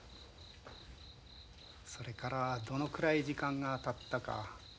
それからどのくらい時間がたったか。